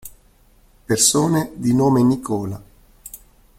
Persone di nome Nicola